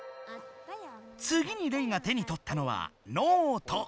つぎにレイが手にとったのはノート。